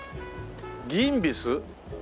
ギンビス？